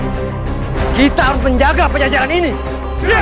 untuk memperbaiki kekuatan pajajara gusti prabu